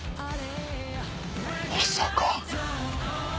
まさか。